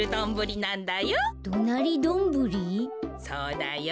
そうだよ。